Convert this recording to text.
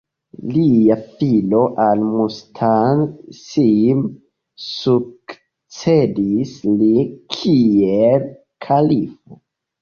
Lia filo Al-Musta'sim sukcedis lin kiel kalifo.